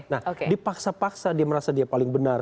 nah dipaksa paksa dia merasa dia paling benar